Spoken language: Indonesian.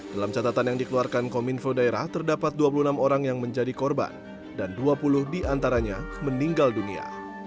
dalam catatan yang dikeluarkan kominfo daerah terdapat dua puluh enam orang yang menjadi korban dan dua puluh diantaranya meninggal dunia